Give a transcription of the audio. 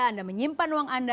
anda menyimpan uang anda